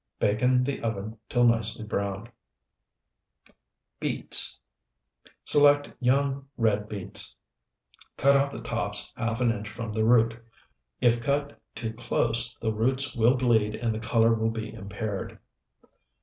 Bake in the oven till nicely browned. BEETS Select young red beets; cut off the tops half an inch from the root. If cut too close, the roots will bleed and the color will be impaired.